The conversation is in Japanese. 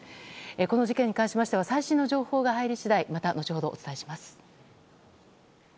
この事件に関しては最新の情報が入り次第また後ほど、お伝えいたします。